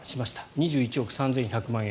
２１億３１００万円。